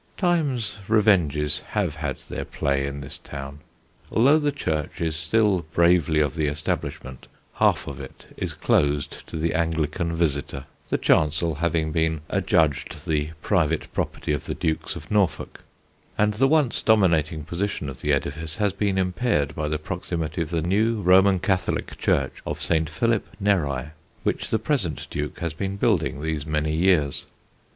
Time's revenges have had their play in this town. Although the church is still bravely of the establishment, half of it is closed to the Anglican visitor (the chancel having been adjudged the private property of the Dukes of Norfolk), and the once dominating position of the edifice has been impaired by the proximity of the new Roman Catholic church of St. Philip Neri, which the present Duke has been building these many years.